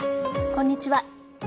こんにちは。